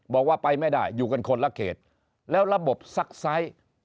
บอกว่าไปไม่ได้อยู่กันคนละเขตแล้วระบบซักไซส์